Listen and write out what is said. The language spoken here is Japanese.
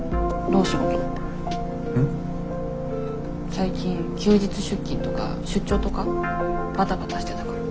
最近休日出勤とか出張とかバタバタしてたから。